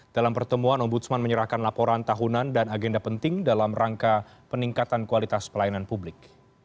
dalam pertemuan ombudsman menyerahkan laporan tahunan dan agenda penting dalam rangka peningkatan kualitas pelayanan publik